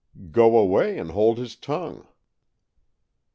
"" Go away and hold his tongue."